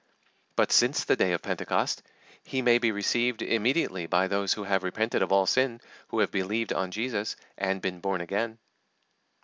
But since the day of Pentecost, He may be received immediately by those who have repented of all sin, who have believed on Jesus, and been born again.